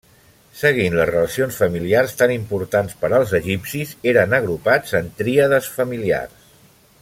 Seguint les relacions familiars, tan importants per als egipcis, eren agrupats en tríades familiars.